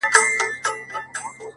o ولي مي هره شېبه، هر ساعت په غم نیسې،